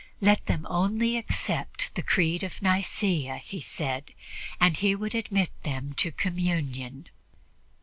Let them only accept the Creed of Nicea, he said, and he would admit them to communion.